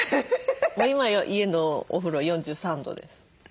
今家のお風呂４３度です。